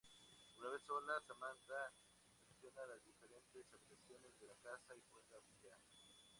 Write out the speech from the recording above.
Una vez sola, Samantha inspecciona las diferentes habitaciones de la casa y juega billar.